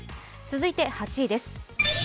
続いて８位です。